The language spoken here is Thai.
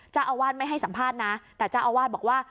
เจ้าอาวาสไม่ให้สัมภาษณ์นะแต่เจ้าอาวาสบอกว่า